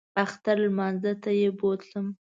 اختر لمانځه ته یې بوتلم.